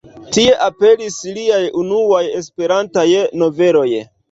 Tie aperis liaj unuaj Esperantaj noveloj.